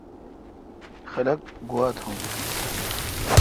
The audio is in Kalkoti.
خلق گوا تھان۔